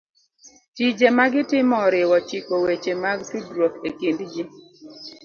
Tije ma gitimo oriwo chiko weche mag tudruok e kind ji.